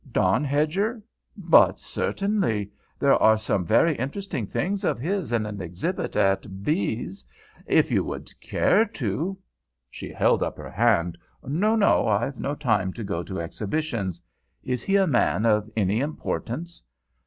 "Don Hedger? But, certainly! There are some very interesting things of his in an exhibition at V 's. If you would care to " She held up her hand. "No, no. I've no time to go to exhibitions. Is he a man of any importance?"